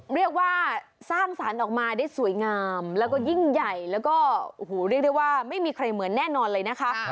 เรียกว่าสร้างสรรค์ออกมาได้สวยงามแล้วก็ยิ่งใหญ่แล้วก็ไม่มีใครเหมือนแน่นอนเลยนะคะ